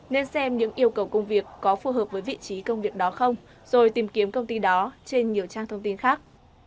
nên xem những yêu cầu công việc có phù hợp với vị trí công việc đó không rồi tìm kiếm công ty đó trên nhiều trang thông tin khác